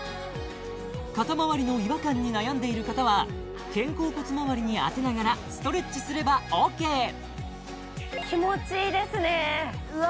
肩周りの違和感に悩んでいる方は肩甲骨周りに当てながらストレッチすればオーケー気持ちいいですねうわ